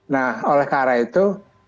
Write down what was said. nah oleh karena itu